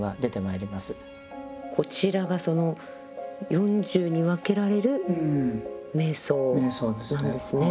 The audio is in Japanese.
こちらがその４０に分けられる瞑想なんですね。